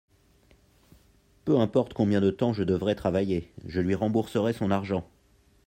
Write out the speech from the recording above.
Peu importe combien de temps je devrai travailler, je lui rembourserai son argent.